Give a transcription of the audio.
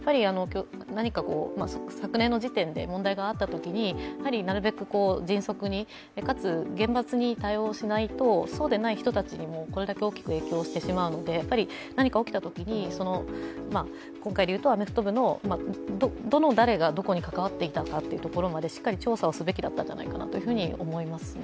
何か昨年の時点で問題があったときに、迅速にかつ厳罰に対応しないと、そうでない人たちにもこれだけ大きく影響してしまうので、何か起きたときに今回でいうとアメフト部の、どの、誰がどこに関わっていたかというところまで調査すべきだったんじゃないかと思いますね。